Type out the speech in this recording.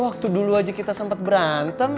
waktu dulu aja kita sempat berantem